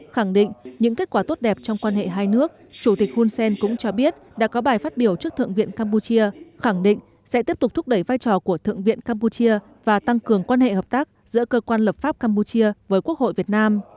khẳng định những kết quả tốt đẹp trong quan hệ hai nước chủ tịch hun sen cũng cho biết đã có bài phát biểu trước thượng viện campuchia khẳng định sẽ tiếp tục thúc đẩy vai trò của thượng viện campuchia và tăng cường quan hệ hợp tác giữa cơ quan lập pháp campuchia với quốc hội việt nam